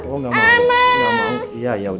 oh gak mau